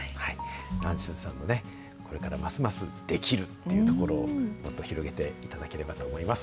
南春さんのね、これからますます、できるっていうところをもっと広げていただければと思います。